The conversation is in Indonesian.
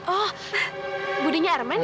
oh budinya arman ya